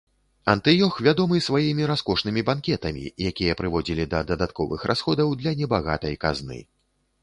Антыёх вядомы сваімі раскошнымі банкетамі, якія прыводзілі да дадатковых расходаў для небагатай казны.